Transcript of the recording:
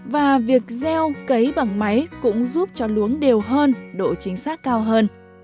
và việc gieo cấy bằng máy cũng giúp cho luống đều hơn độ chính xác cao hơn